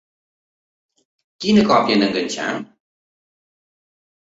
Quina còpia hem d'enganxar?